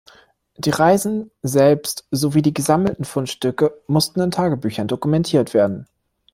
Die Reisen selbst sowie die gesammelten Fundstücke mussten in Tagebüchern dokumentiert werden.